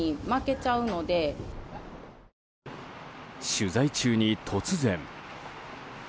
取材中に突然。